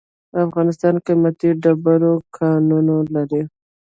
افغانستان قیمتي ډبرو کانونه لري.